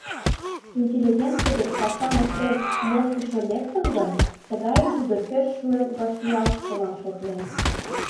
Интеллигенций гыч пашам ыштен моштышо лектын гын, тыгайым тудо пеш шуэн вашлиялтшылан шотлен.